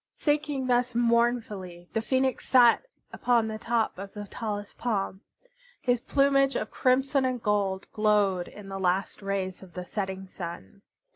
Thinking thus mournfully, the Phoenix sat upon the top of the tallest palm. His plumage of crimson and gold glowed in the last rays of the setting sun.